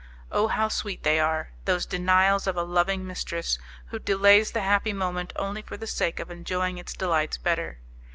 Oh, how sweet they are! those denials of a loving mistress, who delays the happy moment only for the sake of enjoying its delights better!